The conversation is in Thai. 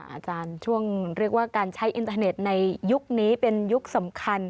อาจารย์ช่วงเรียกว่าการใช้อินเทอร์เน็ตในยุคนี้เป็นยุคสำคัญ